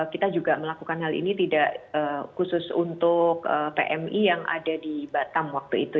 kita juga melakukan hal ini tidak khusus untuk pmi yang ada di batam waktu itu